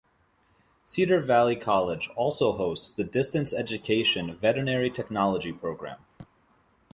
Cedar Valley College also hosts the Distance Education Veterinary Technology Program.